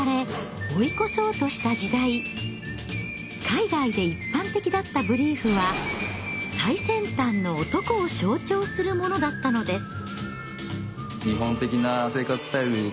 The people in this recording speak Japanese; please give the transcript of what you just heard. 海外で一般的だったブリーフは最先端の男を象徴するものだったのです。